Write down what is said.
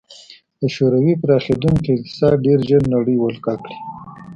د شوروي پراخېدونکی اقتصاد ډېر ژر نړۍ ولکه کړي